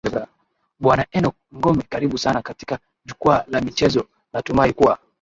bwana enock ngome karibu sana katika jukwaa la michezo natumai kuwa